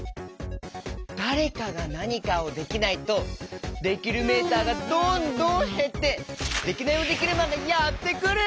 だれかがなにかをできないとできるメーターがどんどんへってデキナイヲデキルマンがやってくる！